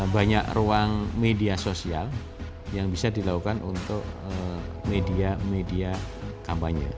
banyak ruang media sosial yang bisa dilakukan untuk media media kampanye